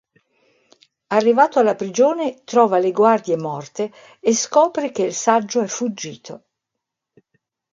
Arrivato alla prigione, trova le guardie morte e scopre che il Saggio è fuggito.